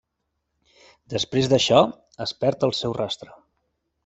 Després d'això, es perd el seu rastre.